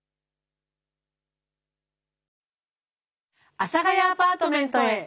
阿佐ヶ谷アパートメントへ。